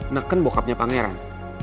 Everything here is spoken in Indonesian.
neken bokapnya pangeran